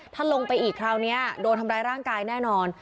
ถ้าลงไปอีกคราวนี้โดนทำร้ายร่างกายแน่นอน